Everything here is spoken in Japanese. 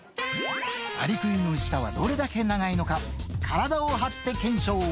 アリクイの舌はどれだけ長いのか、体を張って検証。